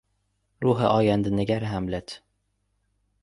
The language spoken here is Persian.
روح آیندهنگر هملت